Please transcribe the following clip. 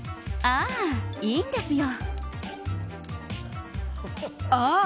ああ、いいんですよ？